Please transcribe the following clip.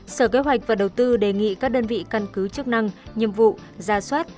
sở kế hoạch và đầu tư đề nghị các đơn vị căn cứ chức năng nhiệm vụ ra soát